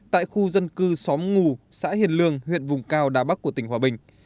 tại khu dân cư xóm ngù xã hiền lương huyện vùng cao đà bắc của tỉnh hòa bình